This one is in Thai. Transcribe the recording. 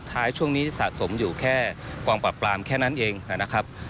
ท้ายช่วงนี้สะสมอยู่แค่กองปราบปรามแค่นั้นเองนะครับ